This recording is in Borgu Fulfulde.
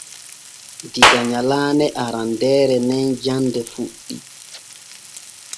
Diga nyalaane arandeere nin jande fuɗɗi.